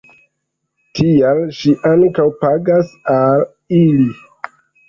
Tial ŝi ankaŭ pagas al ili.